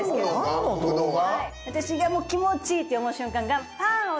はい私が気持ちいいって思う瞬間が。